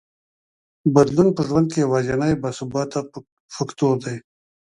بدلون په ژوند کې یوازینی باثباته فکټور دی.